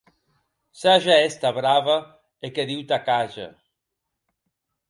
Saja èster brave, e que Diu t'ac age.